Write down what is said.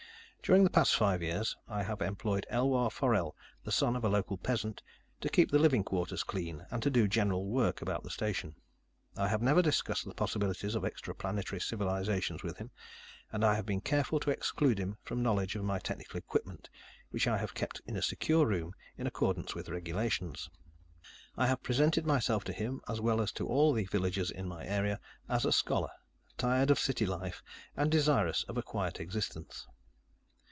During the past five years, I have employed Elwar Forell, the son of a local peasant, to keep the living quarters clean and to do general work about the station. I have never discussed the possibilities of extra planetary civilization with him, and I have been careful to exclude him from knowledge of my technical equipment, which I have kept in a secure room in accordance with regulations. I have presented myself to him, as well as to all the villagers in my area, as a scholar, tired of city life, and desirous of a quiet existence.